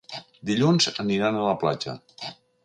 Dilluns aniran a la platja.